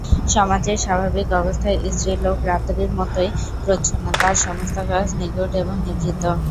সমাজের স্বাভাবিক অবস্থায় স্ত্রীলোক রাত্রির মতোই প্রচ্ছন্ন– তার সমস্ত কাজ নিগূঢ় এবং নিভৃত।